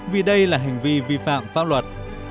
vì đây là hành vi vi phạm pháp luật